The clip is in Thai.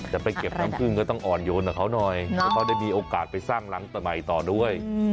จะไปเก็บน้ำพึ่งก็ต้องอ่อนโยนกับเขาหน่อยแล้วก็ได้มีโอกาสไปสร้างหลังใหม่ต่อด้วย